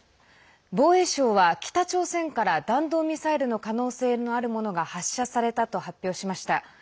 防衛省は、北朝鮮から弾道ミサイルの可能性のあるものが発射されたと発表しました。